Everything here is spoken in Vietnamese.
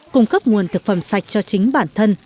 cung cấp nguồn thực phẩm sạch cho chính bản thân